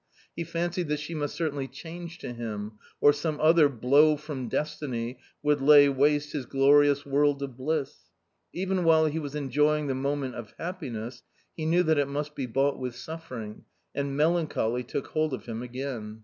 He fancied that she must certainly change to him, or some other blow from destiny would lay waste his glorious world of bliss. Even while he was enjoying the moment of happiness, he knew that it must be bought with suffering, and melancholy took hold of him again.